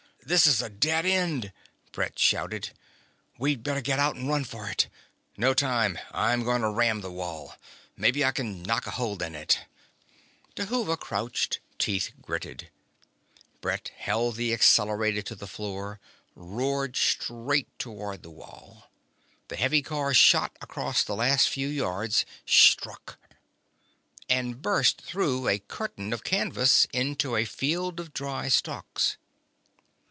"This is a dead end!" Brett shouted. "We'd better get out and run for it " "No time! I'm going to ram the wall! Maybe I can knock a hole in it." Dhuva crouched; teeth gritted, Brett held the accelerator to the floor, roared straight toward the wall. The heavy car shot across the last few yards, struck And burst through a curtain of canvas into a field of dry stalks.